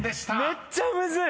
めっちゃむずい！